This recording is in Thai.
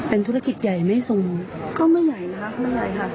ธุรกิจใหญ่ไม่ทรงก็ไม่ใหญ่นะคะไม่ใหญ่ค่ะ